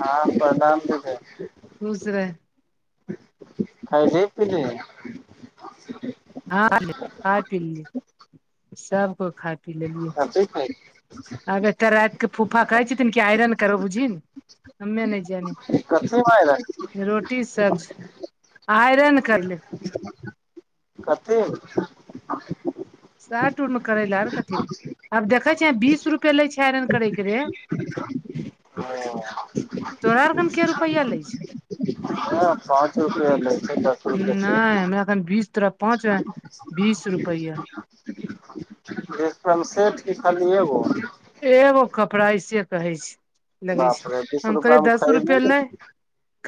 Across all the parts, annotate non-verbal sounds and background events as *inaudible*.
हँ प्रणाम चचा जी। खुश रैह। कौथि पुछिएय। *unintelligible* हँ खा लीय खाय पी लेलिय सबकोय खाय पी लेलियै। कथी खैली आब एते राइतके फूफा कहै छथिन कि आइरन करब बुझहिन। हमे नहि जानी कथी मायरा रोटी सब्जी आइरन करले। कतेंऐ सर्ट उट मे करै लए आ कथि आब देखै छिय बीस रुपे लै छै, आइरन करैके रे। हँ। *unintelligible* तोरा आर कन के रुपैआ लै छै। हीये पाँच रुपया लै छै, दस। रुपआ से नय हमरा एखन बीस तोरा पाँच मे बीस रुपैआ। बीस रूपया मे सेट की खाली एगो। एगो कपड़ा ऐसिये कहै छै। लगै बाप रे छै बीस हम कहलियै रुपआमे दस खरिद नै रुपए लै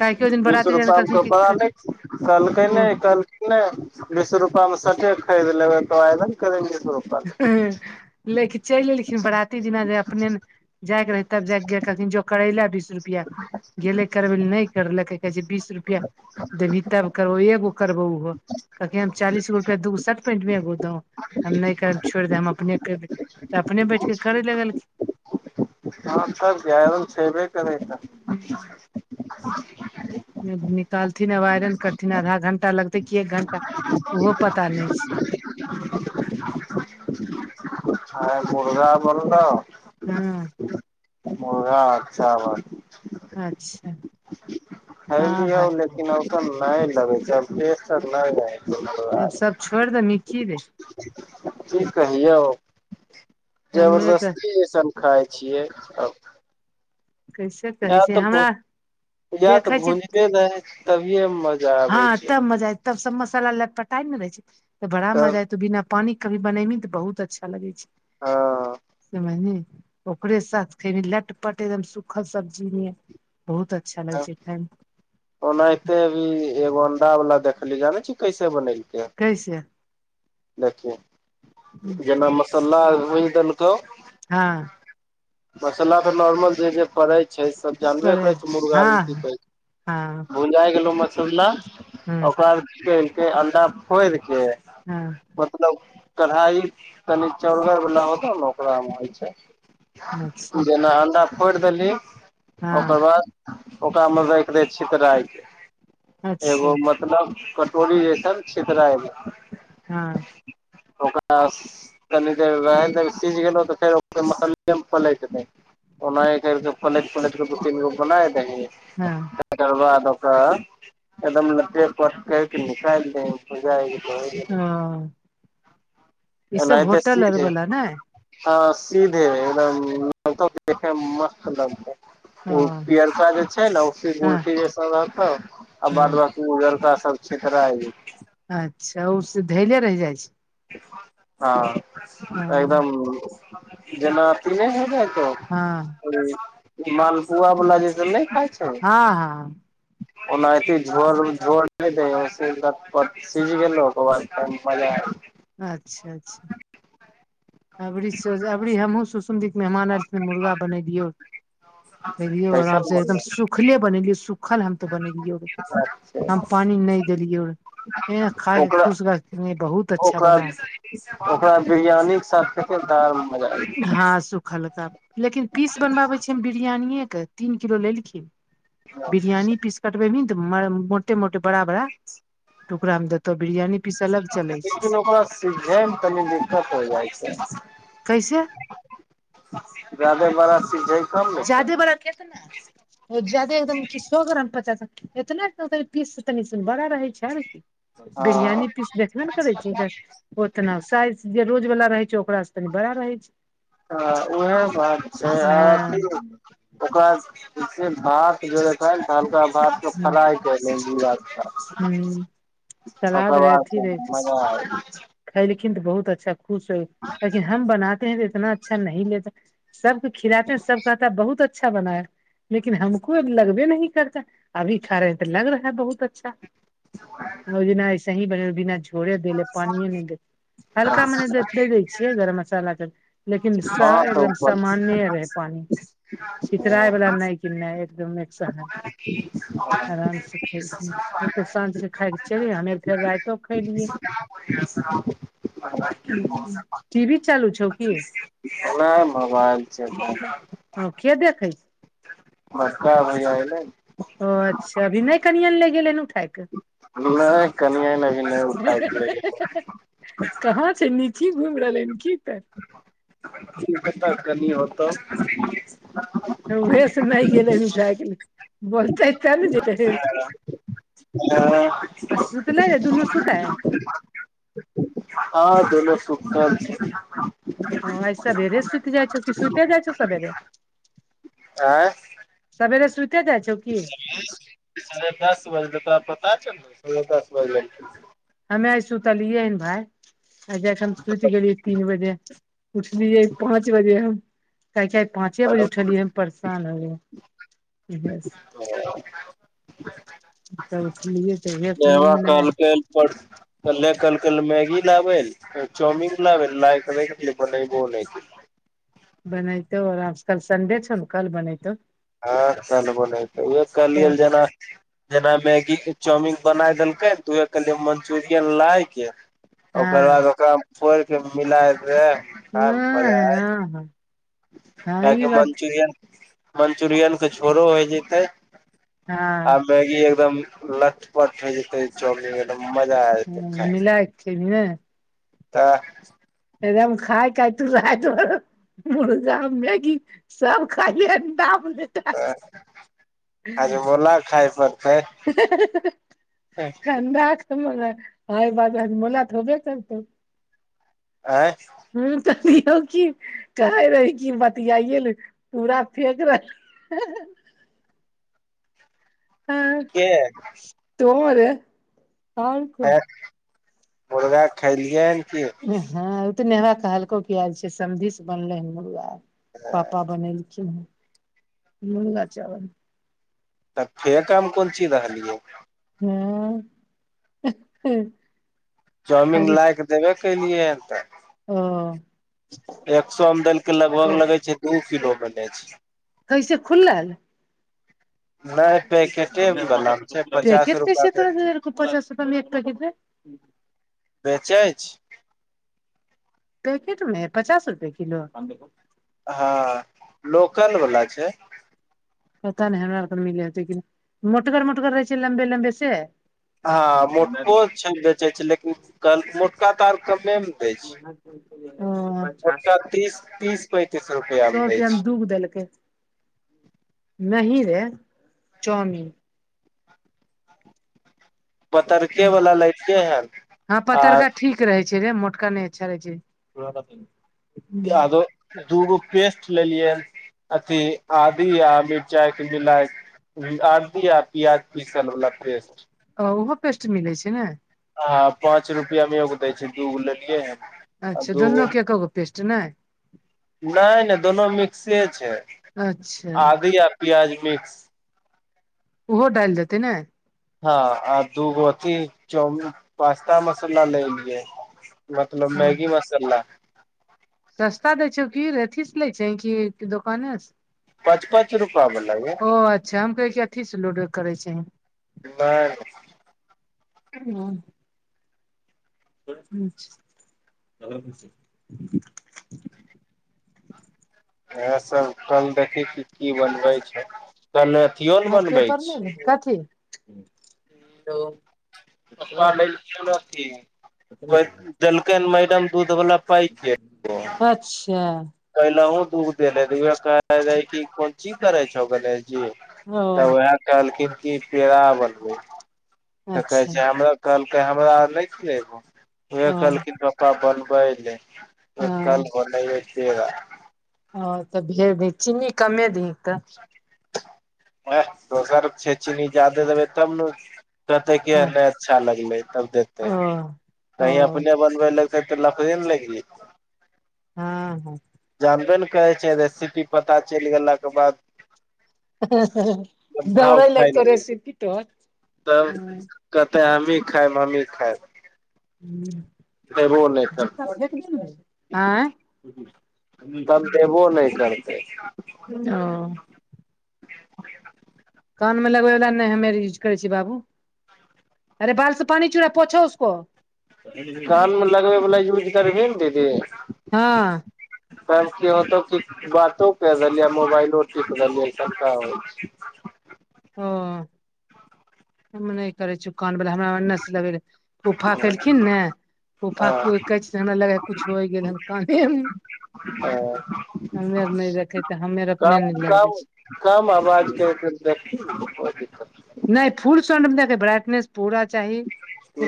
काहेकि ओहि दिन बीस बराती जाय रूपया मे कहलखिन कपड़ा कि नहि, कहलकै ओ नै कह नै बीस रूपया मे सटे खरीद लेबै तो आइरन करेले जतौ। हुं, लैके चलि एलखिन बरात। एते दिना जे अपने जायके रहै तब जाय गेलखिन जंं करैला दिस। बीस रुपया गेलै करबै ले नहि करलकै कहै छै बीस रुपैया देबही तब करेबो, एगो करबो ओहो। कमलकै हम चालिस गो रुपया दुगो शर्ट पेंट ले एबो दो हम नहि। छोड़ि दे हम अपने कैर लेबै, अपने बैठके करे लगलखिन। हँ तब कि आइरन छेबे करै तऽ। लगलखिन *inaudible* निकालथिन आ आइरन करथिन आधा घंटा लगते की एक घंटा ओहो पता नहि छै। आय मुरगा बनलौ। हूँ। मुरगा आ चावल। अच्छा हँ खैलियो भाय लेकिन। वैसन नहि लगै छै आब टेस्ट आर नहि रहै छै मुरगा आब आर सब मे। छोड़ि दही की रे की कहियो हमे तऽ जबरदस्ती इ सब। खाइ छियै आ। कैसे कहै छियै भु हमरा या तऽ देखै छी भुजते ने हे तभिए मजा आबै हँ छै तब मजा आयत तब सब मसाला लटपटाय ने रहै छै तऽ बड़ा तब मजा, एयके बिना पानि कभी बनैबी तऽ बहुत अच्छा लगै छै। हँ। समझलि ओकरे साथ खेबी लटपट, एकदम सुखल सब्जी नहैत। बहुत अच्छा लगै छै खाइमे। ओनाहिते अभी एगो अंडा वला देखली ने, ाने छी कैसे बनेलके है। कैसे। देखही, जेना मसल्ला आर भुइज देलकउ हँ। मसल्ला तऽ नॉर्मल छै जे पड़ै छै, सब जानबे पर करै छै मुर्गा आरमे की हँ पड़ै छै। हँ भुंजाय गेलो मसल्ला, हँ ओकरबाद कनिके अंडा फोड़ि के हँ। मतलब कढ़ाइ तनी चौड़गर वला होतौ ने ओकरामे होइ छै। अच्छा जेना अंडा फोड़ि देलही, ओकर हँ बाद ओकरा मे राइख दही छितराय के, अच्छा एगो म मतलब कटोरी जैसन छितराइ ले। हँ। ओकरा स कनि देर रहे दही, सीझ गेलहुँ तऽ फेर ओहि मसल्लेमे पलैत दही। ओनाहीं कैरकऽ पलैट-पलैट के दू तीन गो बनाय दिही हँ। तकर बाद ओकरा एकदम लटैर-पटैर कऽ निकाली दहु। बुझाइ भऽ गेलै। ओ ई सब एनाहिते होटल आर सीधे वला नै। हँ सीधे एकदम देखै मे मस्त लगतै। ओ पियरका जे छै न? ओ हँ गुलठी जैसन रहतौ। आ हँ बाद बाकी उजरका सब क्षितराय गेल। अच्छा, औसे धेले रैह जाइ छै? हँ ओ एकदम, जेना पुर नै हो जाय छौ? हँ। ओ, ई मालपुआ बला जेसन नैय खाय छ हँ-हँ। ओनाहिते झोड़-उड़ झोर नैय दैय हैइ ओइसे लटपट सिझ गेलौ ओई के बाद पैन भऽ जैत अच्छा-अच्छा। अभरी सोजा अभरी हमहुँ सूसू संदिक मेहमान एऽल छ मुर्गा बनेलियो, खेलियो आराम कैसन से एकदम बनलै सु खले बनेलियै, सुखल हम ते बनेलियौ। हम ओकरा पानी नैय देलियौ, ऐं खाय के ओकरा खुश भैऽ नै बहुत अच्छा बना है। ओकरा बिरयानीक साथ *unintelligible* हँ सुखलका। लेकिन पीस बनबाबै छियै हम बिरियानिये के तीन किलो लेलखिन। बिरियानी पीस कटबेबहीन तऽ मा-मोटे-मोटे बड़ा-बड़ा टुकड़ा में देतौ बिरियानी पीस अलग चलै छै। सीझैय मे तनी दिक्कत हो जाइ छै। कैइसे? जादे बारा सीझैय जादे बड़ा केतना? जादे एकदम की सौऽ ग्राम पचास, एतना तो पर पीस तनी बड़ा रहे छै। छल कि, हँ बिरियानी पीस देखबे ने करै छी। ओतना साइज जे रोज वला रहै छै, ओकरा सँ तनी बड़ा रहै छै। हॅं ओहै बात छै, आ अथी हँ ओकरा जे छै भात जोड़े डाइल कऽ आलु के भात कऽ फराय कलीही दू आंच‌ ह पर। सलाद ओकर रहे बाद अथी रहे *unintelligible* मजा आबि *unintelligible* खैलखिन तऽ बहुत अच्छा खुश होय, कहलखिन हम बनाते है तऽ इतना अच्छा नही लेता सब खिलाते हैं। सब कहता बहुत अच्छा बना है। लेकिन हमको लगबे नही करता, अभी खा रहेै तऽ लग रहा बहुत अच् छा, ओई दिना ऐसे हीं बनेल बिना झोड़े देले पानिये ने देऽ। हँ हल्का मने दे-दे दै छियै गरम मसाला त लेकिन स एकदम तऽ सामान्ये रहै पानी, छितराई बला नैय कि नैय एकदम अच्छा हैय। आराम से खैलखिन। ऊ तऽ साँझ देखाय के चैल गेलै हमें फेर राईतो खैलिये। *unintelligible* टी भी चालू छौ? की *unintelligible* मोबाइल चैल रहले। ओ के देखै छै? बडका भैया एलैन? ओ अच्छा, अभी नैय कनिआं ले गेलैन उठाय? के नैय कनियां लग नैय उठाइ के लेगेलियै। कहाँ छै नीची घुमि रहले हन की त? कनी होतऊ। रौए से लागि गेलै मिठाइ *unintelligible* छै चारु जेतै से त सुतले ने दुनु सुतय। *inaudible* हँ दुनु सुतल छै। हं आइ सबेरे सुति जाइ छै कि सुति जाइ छै सबेरे। आंय। सबेरे सुइते जाइ छौ कि? साढ़े दस बजै छै त तोरा पता छौ ने नौ दस बजे हमे ऐ सुूतलियए नै भाय। आइ हम सुति गेलियै तीन बजे उठलियए पाँच बजे हम। आइ हम पाँचे बजे बजलै उठलियै परेशान हो गेलिए। *unintelligible* ने हमरा नींद नहि कहलके कले कहलके मैगी लाबै चाउमिंग लाबे फेर बनेइबो नै केलके। बनैतो आ कल संडे छो ने कल बनेतौ। हँ कल बनेतै उएह कहलियै तऽ जेना जेना मैगी के चाउमिन बनाय देलकै तऽहे कहलियै मंचुरियन लायके ओकर हँ बाद ओकरा फोड़िके के मिलाइ देबै। नै हँ हँ। हँ किएकी कि ई बात मंचुरियन मंचुरियन के झोड़ो होय जेतै हँ। मैगी एकदम लटपट होय जेते चॉकल एकदम मजा आ जते खाय मे। ्खेलियै। त। एकदम खाय तू *unintelligible* मुर्गा मैगी सब खइले तब *unintelligible* त हाजमोला खाइ परतै। हा ह ह ह ह *unintelligible* समझले ने खेला के बाद हाजमोला खेबे करतौ। आँय। हुं त कि कहु की कहे रही छी बतियाइए ले पूरा फेेक रह आँय, के तो रे। और, मुर्गा खेलियै की? हँ ओ तऽ नेहा कहलको कि आज जे छै सब्जी से बनलै हन मुलगा। पप्पा बनेलखीन, मुर्गा चावल। तऽ फेक हम कोन चीज रहलियै। हँ। चाउमिन लाय कऽ देबे केलियै ह तऽ। ओ। एक सौ मे देलकै लगभग ओ लगे छै दू किलो मे दै छै। कैसे खुलल। नै पैकेटे बनाबे छै पचास पैकेट रुपआ कैसे के तोरा एक देले रहो पैकेट। पचास रुपआ मे एक पैकेट रे बेचै छै पैकेट मे नय पचास रुपए किलो हँ लोकल वला छय पता नहि हमरा औरके मिले हतै कि नहि मोटगर मोटगर रहै छै लम्बे लम्बे से हँ मोटको छै बेचै छै लेकिन मोटका तार कम्मे में दै छै *unintelligible* ओ मोटका तीस तीस पैंतीस *unintelligible* रुपआ सौ दै रुपया छै मे दू गो देलकै नहीं रे चाऊमीन पतरके वला लैते है आर नीक रहै छै रे मोटका नहि अच्छा रहै छै पीया दो दूगो पेस्ट लेलियै अथी आदी आ मिरचाई के मिलाइ *unintelligible* आदि आ प्याज पीसल वला पेस्ट ओ ओहो पेस्ट मिलै छै न! आ पाँच रुपआ मे एगो दै छै दूगो लेलियै है ‌‍ अच्छा दोनो के एकएक गो पेस्ट नहि नय -नय दोनो मिक्से छै अच्छा आदी आ प्याज मिक्स ओहो डालि देतै ने हँ आ दू गो अथि चाऊमीन पास्ता मसाला लय एलियै मतलब हँ मैगी मसाला सस्ता दै छैउ की रे, अथी से लै छिही कि दोकाने से। पाँच पाँच रूपा बला गे ओ अच्छा हम कहियै कि अथी से लोड करै छिही नहि हँ। *unintelligible* इएह सब कल देखी की की बनबय छय। कल अथियो न बनबय छय। कथि--हेलो पपा लेल गयैल रहथिन *inaudible* देलकेन मैडम दूध बला पैकेट ओ अच्छा। पहिलोंहो दुध देने रहीयो ऐकरा राइख के कोन चीज करय छौ गणेश जी ओ त उयेह कहलखिन पेड़ा बनबय एकर अच्छा जाम कहलकय हमरा और नय खुयबो की उहे ओ कहलखिन पपा बनबय लेल त हँ कल बनय ये पेड़ा। हं त जे दय चीनी कमे दीहेन त *inaudible* दोसर के छय चीनी जायदे देबय तब न कहतय कि तऽ नय अच्छा लगलय, तब देतय। ओ कहीं ओ अपने बनबय लगतय त लफड़े न लागि जेतय हां जानबे न करय छय स्थिति पता चलि गेला के बाद। हें हें दौउ भाव रय खाय लगतो लगल रेसिपी तोहर कहतय हमही खायब हमही खायब *inaudible* देबो नहि करतै *inaudible* आंय तबदेबो नय करतय। ओ। कान मे लगबय बला नै, हमे यूज करय छि बाबू। *unintelligible* कान मे लगबय बला यूज करबीही न दीदी। हँ तब की होतौ की बातो करलही, आ मोबाइलो टीप रहलही, सबटा होय छ। ओ हम नै करय छी। कान बला हमरा ओन्ने से लबेरहे, फुफा केलखिन हँ ने फूफा हँ कू कहैछथिन हमरा लगै या कुछ होइ गेल हन काने में। ही - ही ओ। नहि रखे तऽ हमे आर क अपने नहि लगबै छी कम - कम आवाज के देख कोइ दिक्कत ने। नै फूल साउंड मे देख ब्राइटनेस पूरा चाही।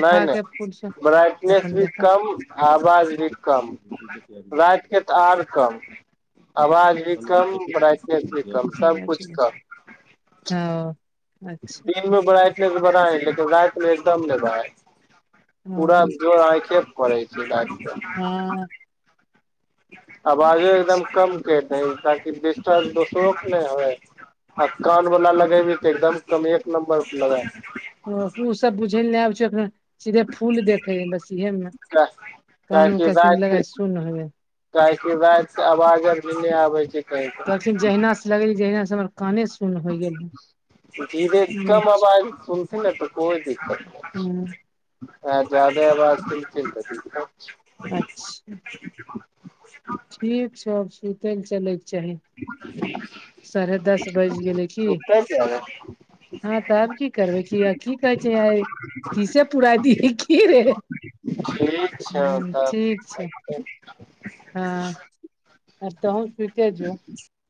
नै - नै के फूल साउंड ब्राइटनेस अपन भी देख कम आ आवाज भी कम। रैतके तऽ आर कम आवाज भी कम ब्राइटनेस भी कम सबकुछ कम। ओ। दिनमे ब्राइटनेस बरहाइ लेकिन रैतमे एकदम नै बरहाइ। पूरा हँ जोर आँखे पर परै छै रैत के। हँ आवाजो एकदम कम केर दही, ताकि डिस्टरब दोसरोक नै होय। आ कान वला लगेबी तऽ एकदम कम एक नम्बर पर लगा। ओ उ सब बुझै लेए आब छै एखने। सीधे फूल देखे हे बस इहे मे काहे कान उ कथि लगा सुन हे। काहे के रैत से आवाज आर भी नै आबे छै कहि। जहिना से लगेलि, जहिना स हमर। काने सुन होइ। गेल धीरे ह कम आबाज मे सुन। *unintelligible* ओहे ह जादाे आवाज केलखिन तऽ दिक्कत छै। अच्छा। ठीक छै आब सुतय लऽ चलैके चाही। *unintelligible* सारे दस बैज गेलै की। सुतै किया ने ह तऽ आब की करबै किया की कहै छै आय। तीसे पुराय दीही कि रे। ठीक छौ ह तब। ह आब तोहू सूइते जो।